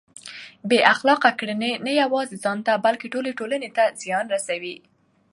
بې اخلاقه کړنې نه یوازې ځان ته بلکه ټولې ټولنې ته زیان رسوي.